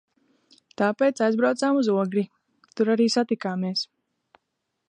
Tāpēc aizbraucām uz Ogri. Tur arī satikāmies.